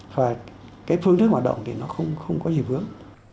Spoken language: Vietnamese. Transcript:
và cái phương thức hoạt động thì nó không có gì vướng